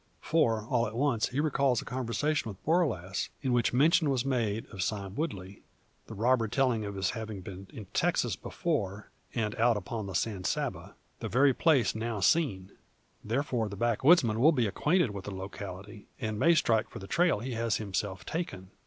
For, all at once, he recalls a conversation with Borlasse, in which mention was made of Sime Woodley; the robber telling of his having been in Texas before, and out upon the San Saba the very place where now seen! Therefore, the backwoodsman will be acquainted with the locality, and may strike for the trail he has himself taken.